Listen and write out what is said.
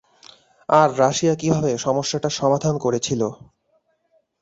আর Russia কীভাবে সমস্যাটার সমাধান করেছিল?